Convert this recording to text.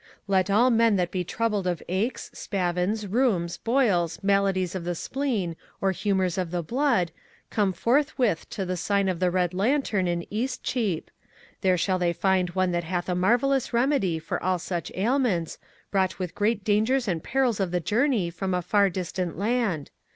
"'Let all men that be troubled of aches, spavins, rheums, boils, maladies of the spleen or humours of the blood, come forthwith to the sign of the Red Lantern in East Cheap. There shall they find one that hath a marvelous remedy for all such ailments, brought with great dangers and perils of the journey from a far distant land.